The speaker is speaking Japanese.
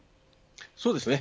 そうですね。